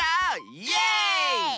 イエーイ！